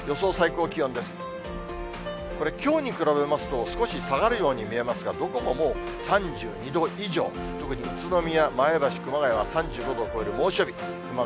これ、きょうに比べますと、少し下がるように見えますが、どこももう、３２度以上、特に宇都宮、前橋、熊谷は３５度を超える猛暑日。